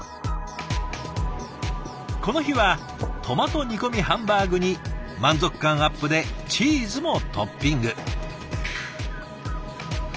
この日はトマト煮込みハンバーグに満足感アップでチーズもトッピング。